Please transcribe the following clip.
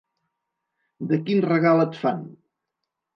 De quin regal et fan?